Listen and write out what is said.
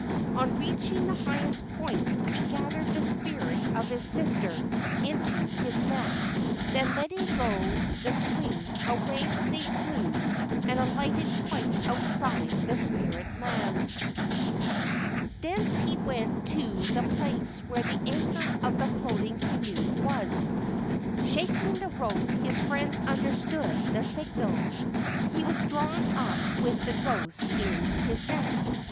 On reaching the highest point he gathered the spirit of the sister into his net, then letting go the swing away they flew and alighted quite outside the spirit land. 244 DESCRIPTION Thence he went to the place where the anchor of the floating canoe was. Shaking the rope his friends understood the signal. He was drawn up with the ghost in his net.